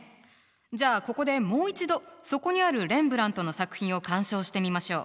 じゃあここでもう一度そこにあるレンブラントの作品を鑑賞してみましょう。